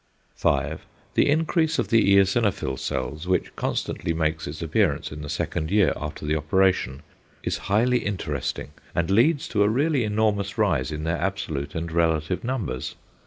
5. The increase of the eosinophil cells, which constantly makes its appearance in the second year after the operation, is highly interesting, and leads to a really enormous rise in their absolute and relative numbers.